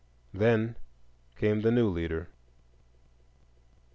Then came the new leader.